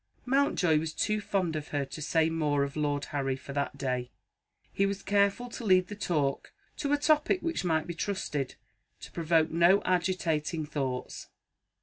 Mountjoy was too fond of her to say more of Lord Harry, for that day. He was careful to lead the talk to a topic which might be trusted to provoke no agitating thoughts.